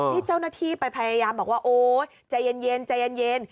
นี่เจ้าหน้าที่ไปพยายามบอกว่าโอ๊ยใจเย็นใจเย็น